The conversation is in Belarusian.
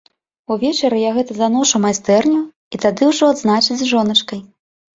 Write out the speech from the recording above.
Увечары я гэта заношу ў майстэрню, і тады ўжо адзначыць з жоначкай.